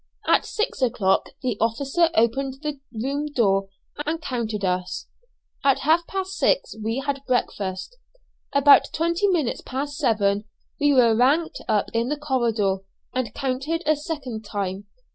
At six o'clock the officer opened the room door and counted us. At half past six we had breakfast. About twenty minutes past seven we were ranked up in the corridor, and counted a second time.